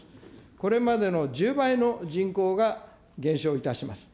これまでの１０倍の人口が減少いたします。